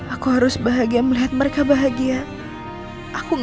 aku sudah kristen denganmu